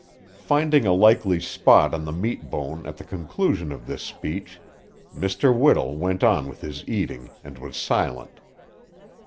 Finding a likely spot on the meat bone at the conclusion of this speech, Mr. Whittle went on with his eating, and was silent.